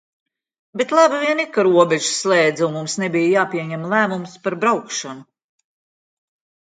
Bet labi vien ir, ka robežas slēdza un mums nebija jāpieņem lēmums par braukšanu.